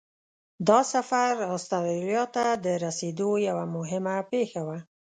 دا سفر استرالیا ته د رسېدو یوه مهمه پیښه وه.